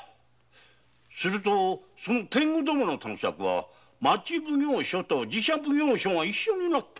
すると探索は町奉行所と寺社奉行所が一緒になって？